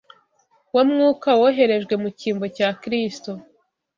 Wa Mwuka woherejwe mu cyimbo cya Kristo